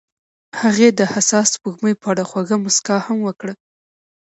هغې د حساس سپوږمۍ په اړه خوږه موسکا هم وکړه.